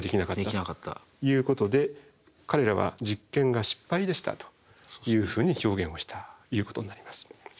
ということで彼らは実験が失敗でしたというふうに表現をしたということになります。